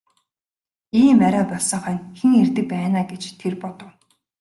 Ийм орой болсон хойно хэн ирдэг байна аа гэж тэр бодов.